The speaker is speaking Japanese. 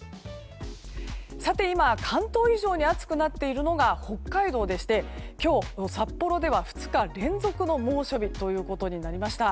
今、関東以上に暑くなっているのが北海道でして今日、札幌では２日連続の猛暑日ということになりました。